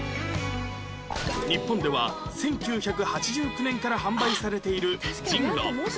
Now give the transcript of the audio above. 日本では１９８９年から販売されている ＪＩＮＲＯ